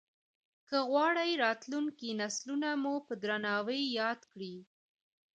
که غواړې راتلونکي نسلونه مو په درناوي ياد کړي.